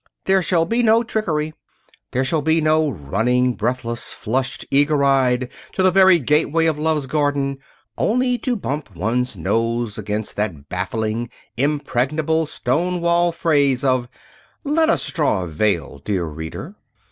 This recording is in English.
There shall be no trickery. There shall be no running breathless, flushed, eager eyed, to the very gateway of Love's garden, only to bump one's nose against that baffling, impregnable, stone wall phrase of "let us draw a veil, dear reader."